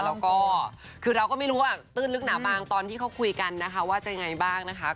แล้วก็คือเราก็ไม่รู้ว่าตื้นลึกหนาบางตอนที่เขาคุยกันนะคะว่าจะยังไงบ้างนะคะ